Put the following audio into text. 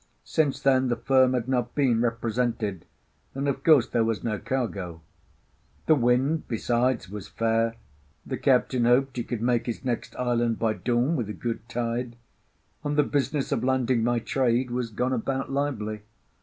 Since then the firm had not been represented, and of course there was no cargo. The wind, besides, was fair, the captain hoped he could make his next island by dawn, with a good tide, and the business of landing my trade was gone about lively.